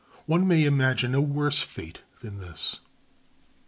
One may imagine a worse fate than this.